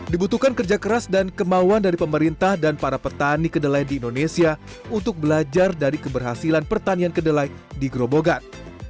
dibutuhkan kerja keras dan kemauan dari pemerintah dan para petani kedelai di indonesia untuk belajar dari keberhasilan pertanian kedelai di grobogan